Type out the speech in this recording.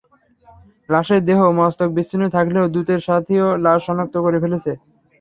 লাশের দেহ মস্তক বিচ্ছিন্ন থাকলেও দূতের সাথিয় লাশ শনাক্ত করে ফেলে।